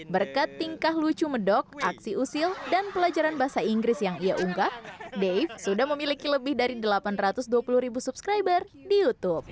berkat tingkah lucu medok aksi usil dan pelajaran bahasa inggris yang ia ungkap dave sudah memiliki lebih dari delapan ratus dua puluh ribu subscriber di youtube